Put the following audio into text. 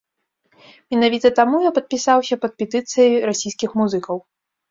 Менавіта таму я падпісаўся пад петыцыяй расійскіх музыкаў.